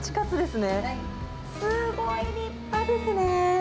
すごい、立派ですね。